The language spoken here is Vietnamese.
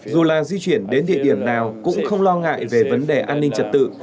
dù là di chuyển đến địa điểm nào cũng không lo ngại về vấn đề an ninh trật tự